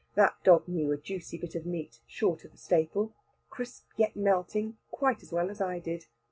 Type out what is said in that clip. That dog knew a juicy bit of meat, short of staple, crisp, yet melting, quite as well as I did.